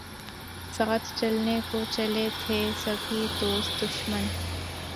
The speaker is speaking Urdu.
ساتھ چلنے کو چلے تھے سبھی دوست دشمن